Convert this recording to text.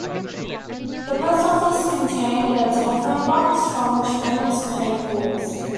The post office contained a telephone box from which families could make calls.